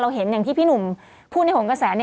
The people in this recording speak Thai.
เห็นอย่างที่พี่หนุ่มพูดในหงกระแส